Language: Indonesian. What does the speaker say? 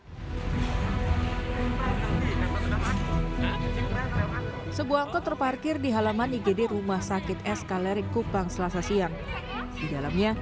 hai sebuah kotor parkir di halaman igd rumah sakit eskalering kupang selasa siang di dalamnya